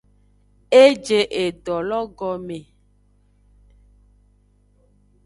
E je edolo gome.